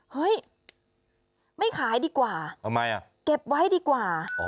เฮ้ยไม่ขายดีกว่าทำไมอ่ะเก็บไว้ดีกว่า